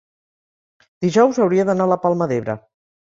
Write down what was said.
dijous hauria d'anar a la Palma d'Ebre.